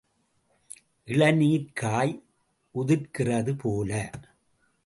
இளநீர்க் காய் உதிர்க்கிறது போல.